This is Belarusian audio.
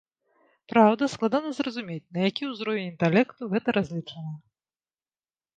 Праўда, складана зразумець, на які ўзровень інтэлекту гэта разлічана.